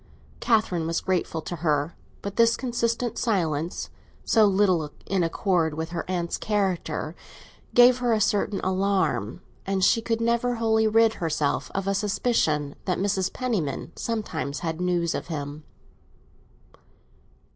Catherine was grateful to her, but this consistent silence, so little in accord with her aunt's character, gave her a certain alarm, and she could never wholly rid herself of a suspicion that Mrs. Penniman sometimes had news of him.